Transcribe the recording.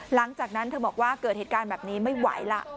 หลังจากนั้นเธอบอกว่าเกิดเหตุการณ์แบบนี้ไม่ไหวล่ะ